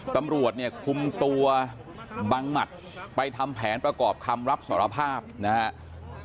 ตำรวจเนี่ยคุมตัวบังหมัดไปทำแผนประกอบคำรับสารภาพนะครับ